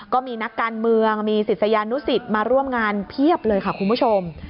ก็มีนักการเมืองมีศิษยานุสิตมาร่วมงานเพียบเลยค่ะคุณผู้ชม